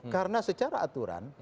karena secara aturan